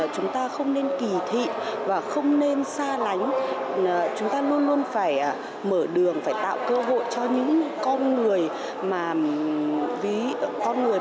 cơ hội cho những con người